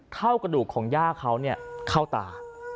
เข้ากระดูกของย่าเขาเนี่ยเข้าตา